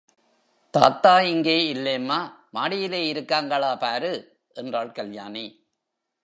தாத்தா இங்கே இல்லேம்மா, மாடியிலே இருக்காங்களா பாரு, என்றாள் கல்யாணி.